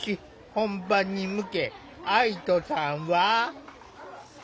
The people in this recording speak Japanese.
本番に向け愛土さんは。